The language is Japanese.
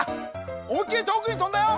おもいっきりとおくにとんだよ！